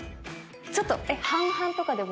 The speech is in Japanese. ちょっと。